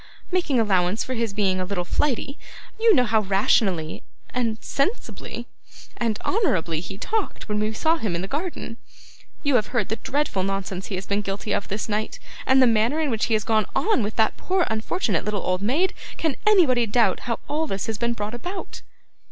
Making allowance for his being a little flighty, you know how rationally, and sensibly, and honourably he talked, when we saw him in the garden. You have heard the dreadful nonsense he has been guilty of this night, and the manner in which he has gone on with that poor unfortunate little old maid. Can anybody doubt how all this has been brought about?